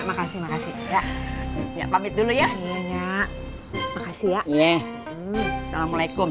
makasih makasih ya pamit dulu ya makasih ya assalamualaikum